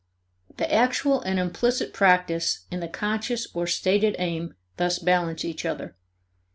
The actual and implicit practice and the conscious or stated aim thus balance each other.